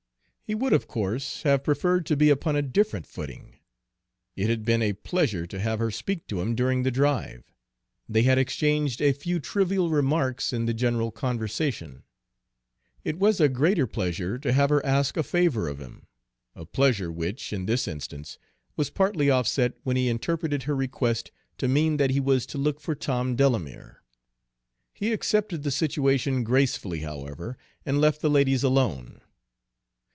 He would, of course, have preferred to be upon a different footing. It had been a pleasure to have her speak to him during the drive, they had exchanged a few trivial remarks in the general conversation. It was a greater pleasure to have her ask a favor of him, a pleasure which, in this instance, was partly offset when he interpreted her request to mean that he was to look for Tom Delamere. He accepted the situation gracefully, however, and left the ladies alone.